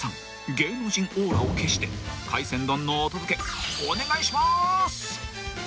芸能人オーラを消して海鮮丼のお届けお願いします］